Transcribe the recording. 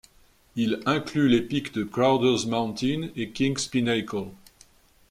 Il inclut les pics de Crowder's Mountain et King's Pinnacle.